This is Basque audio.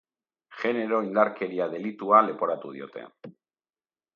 Genero indarkeria delitua leporatu diote.